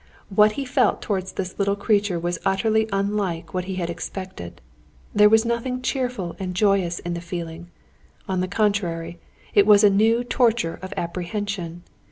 What he felt towards this little creature was utterly unlike what he had expected. There was nothing cheerful and joyous in the feeling; on the contrary, it was a new torture of apprehension.